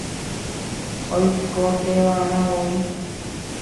oikonte'arãvoi